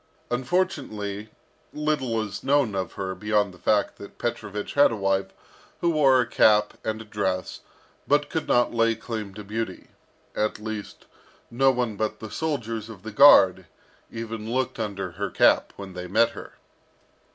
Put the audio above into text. Unfortunately, little is known of her beyond the fact that Petrovich had a wife, who wore a cap and a dress, but could not lay claim to beauty, at least, no one but the soldiers of the guard even looked under her cap when they met her.